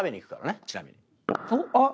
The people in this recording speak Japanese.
あっ！